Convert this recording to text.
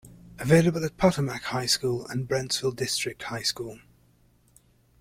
Available at Potomac High School and Brentsville District High School.